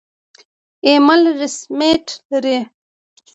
ایمیل رسمیت لري؟